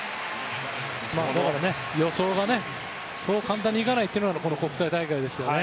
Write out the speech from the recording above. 予想がそう簡単にはいかないというのがこの国際大会ですよね。